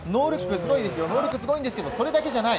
ノールックもすごいですけどそれだけじゃない。